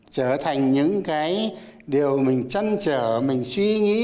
trở thành những cái điều mình chăn trở mình suy nghĩ